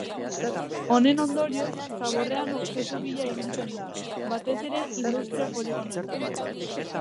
Honen ondorioz, zaborrean objektu bila ibiltzen da, batez ere industria-poligonoetan.